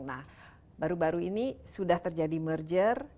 nah baru baru ini sudah terjadi merger